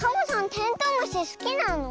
テントウムシすきなの？